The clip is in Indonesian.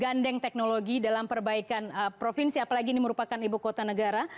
gandeng teknologi dalam perbaikan provinsi apalagi ini merupakan ibu kota negara